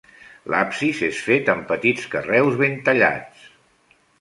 L'absis és fet amb petits carreus ben tallats.